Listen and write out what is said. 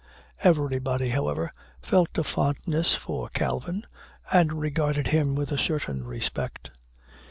Everybody, however, felt a fondness for Calvin, and regarded him with a certain respect.